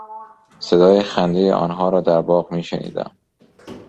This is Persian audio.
صدای خندهی آنها را در باغ میشنیدم.